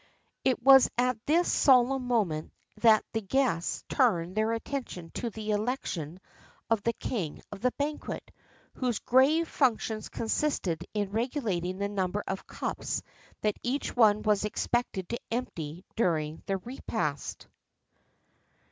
[XXXIV 23] It was at this solemn moment that the guests turned their attention to the election of the king of the banquet, whose grave functions consisted in regulating the number of cups that each one was expected to empty during the repast.